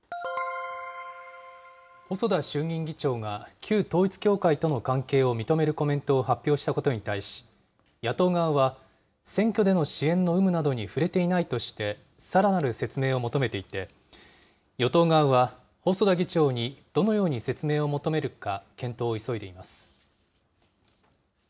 細田衆議院議長が旧統一教会との関係を認めるコメントを発表したことに対し、野党側は、選挙での支援の有無などに触れていないとして、さらなる説明を求めていて、与党側は細田議長にどのように説明を求めるか検討を急いでいます。